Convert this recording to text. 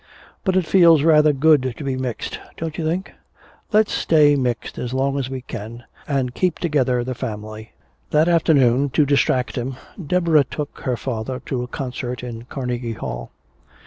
But it feels rather good to be mixed, don't you think? Let's stay mixed as long as we can and keep together the family." That afternoon, to distract him, Deborah took her father to a concert in Carnegie Hall.